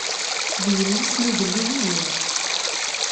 D yelli-s n ugellid i yuɣ.